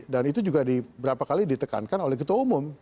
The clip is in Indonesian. dan itu juga diberapa kali ditekankan oleh ketua umum